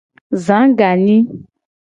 Za ganyi.